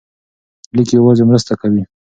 لیک یوازې مرسته کوي.